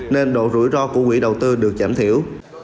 nên độ rủi ro của quỹ đầu tư được giảm thiểu